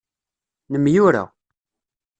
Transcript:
Nemyura.